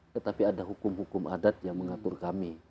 tetapi ada hukum hukum adat yang mengatur kami